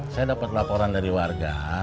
saya dapat laporan dari warga